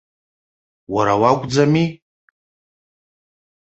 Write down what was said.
Уара уакәӡами?